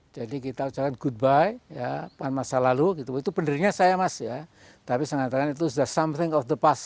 jadi kita ucapkan goodbye masa lalu itu benerannya saya mas tapi seandainya itu sudah something of the past